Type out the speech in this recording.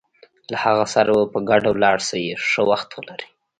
له هغه سره به په ګډه ولاړ شې، ښه وخت ولرئ.